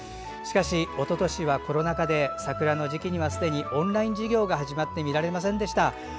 しかし、おととしはコロナ禍で桜の時期にはすでにオンライン授業が始まって見られませんでした。